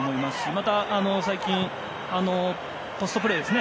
また最近、ポストプレーですね。